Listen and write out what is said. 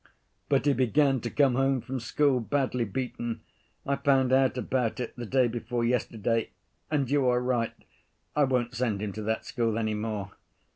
"But he began to come home from school badly beaten, I found out about it the day before yesterday, and you are right, I won't send him to that school any more.